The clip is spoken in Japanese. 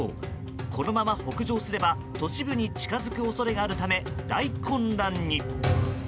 このまま北上すれば都市部に近づく恐れがあるため大混乱に。